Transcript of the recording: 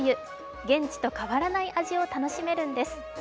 現地と変わらない味を楽しめるんです。